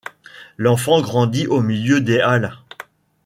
L’enfant grandit au milieu des Halles.